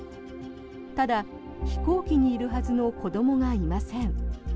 ただ、飛行機にいるはずの子どもがいません。